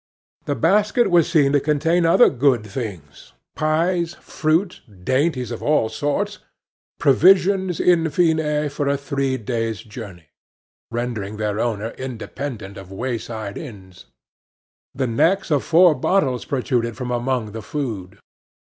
The basket was seen to contain other good things: pies, fruit, dainties of all sorts provisions, in fine, for a three days' journey, rendering their owner independent of wayside inns. The necks of four bottles protruded from among the food.